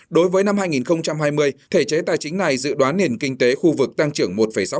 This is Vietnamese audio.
đối với năm hai nghìn hai mươi thể chế tài chính này dự đoán nền kinh tế khu vực tăng trưởng một sáu